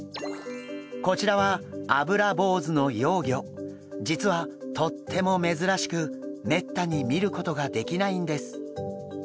こちらは実はとっても珍しくめったに見ることができないんです。